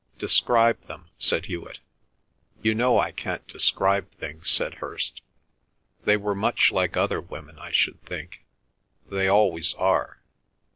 "Describe them," said Hewet. "You know I can't describe things!" said Hirst. "They were much like other women, I should think. They always are."